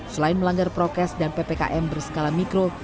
selain melanggar prokes dan ppkm berskala mikro